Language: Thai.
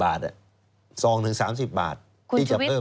๓๐บาทซองหนึ่ง๓๐บาทที่จะเพิ่ม